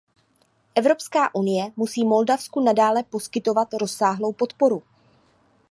Evropská unie musí Moldavsku nadále poskytovat rozsáhlou podporu.